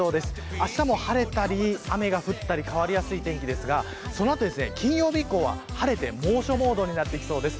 明日も晴れたり雨が降ったりと変わりやすい天気ですが金曜日以降は晴れて猛暑モードになってきそうです。